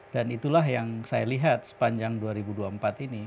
dan itulah yang saya lihat sepanjang dua ribu dua puluh empat ini